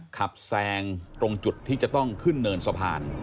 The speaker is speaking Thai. แซงตรงจุดที่จะต้องขึ้นเนินสะพาน